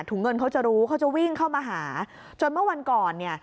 เงินเขาจะรู้เขาจะวิ่งเข้ามาหาจนเมื่อวันก่อนเนี่ย